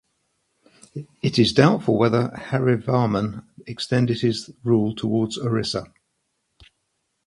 It is doubtful whether Harivarman extended his rule towards Orissa.